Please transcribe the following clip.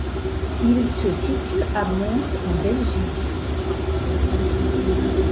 Il se situe à Mons en Belgique.